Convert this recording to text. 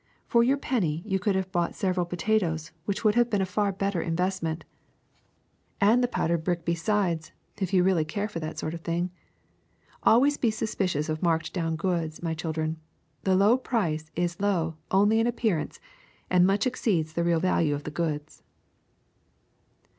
For your penny you could have bought several potatoes, which would have been a far better investment, and the powdered brick be CHOCOLATE 197 sides, if you really care for that sort of thing. Al ways be suspicious of marked down goods, my chil dren; the low price is low only in appearance and much exceeds the real value of the goods.